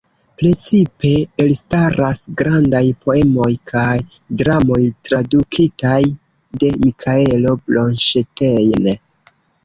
Precipe elstaras grandaj poemoj kaj dramoj tradukitaj de Mikaelo Bronŝtejn.